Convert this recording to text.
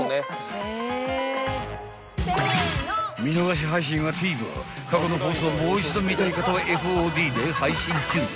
［見逃し配信はＴＶｅｒ過去の放送をもう一度見たい方はＦＯＤで配信中］